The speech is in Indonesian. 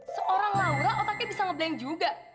seorang laura otaknya bisa nge blank juga